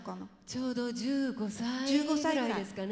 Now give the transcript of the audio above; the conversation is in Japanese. ちょうど１５歳ぐらいですかね。